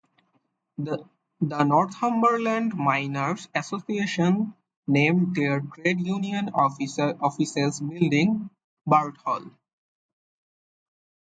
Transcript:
The Northumberland Miners' Association named their Trade Union Offices building Burt Hall.